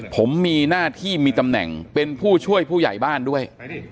ผมมีหน้าที่มีตำแหน่งเป็นผู้ช่วยผู้ใหญ่บ้านด้วย